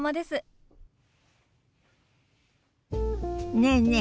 ねえねえ